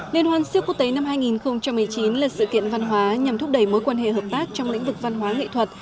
liên hoan siếc quốc tế năm hai nghìn một mươi chín là sự kiện văn hóa nhằm thúc đẩy mối quan hệ hợp tác trong lĩnh vực văn hóa nghệ thuật